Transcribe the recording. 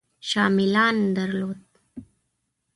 شاه میلان درلود.